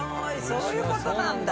そういう事なんだ。